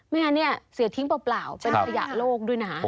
งั้นเนี่ยเสียทิ้งเปล่าเป็นขยะโลกด้วยนะ